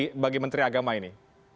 mas refo bagi menteri agama ini